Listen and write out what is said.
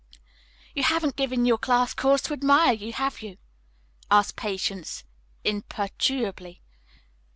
"You haven't given your class cause to admire you, have you?" asked Patience imperturbably.